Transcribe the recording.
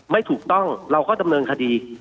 ไม่ถูกต้องเราก็ดำเนินคดี